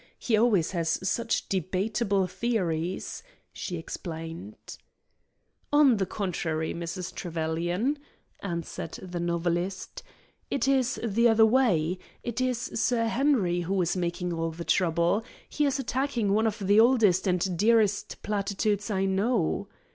He always has such debatable theories," she explained. "On the contrary, Mrs. Trevelyan," answered the novelist, "it is the other way. It is Sir Henry who is making all the trouble. He is attacking one of the oldest and dearest platitudes I know."